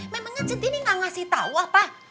memangnya centini enggak ngasih tahu apa